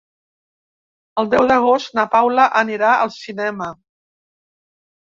El deu d'agost na Paula anirà al cinema.